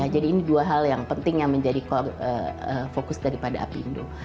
jadi ini dua hal yang penting yang menjadi core fokus daripada apindo